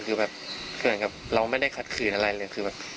คือแบบเราไม่ได้ขัดขืนอะไรเลย